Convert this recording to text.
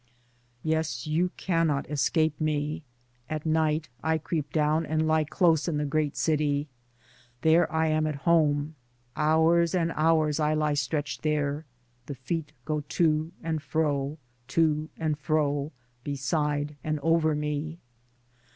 Yes, you cannot escape me. At night I creep down and lie close in the great city — there I am at home — hours and hours I lie stretched there ; the feet go to and fro, to and fro, beside and over me.